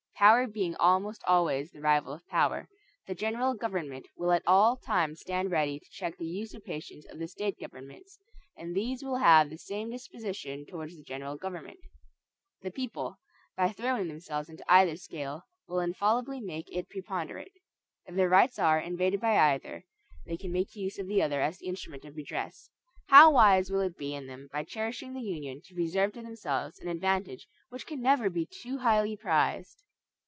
Power being almost always the rival of power, the general government will at all times stand ready to check the usurpations of the state governments, and these will have the same disposition towards the general government. The people, by throwing themselves into either scale, will infallibly make it preponderate. If their rights are invaded by either, they can make use of the other as the instrument of redress. How wise will it be in them by cherishing the union to preserve to themselves an advantage which can never be too highly prized!